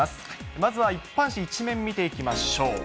まずは一般紙１面見ていきましょう。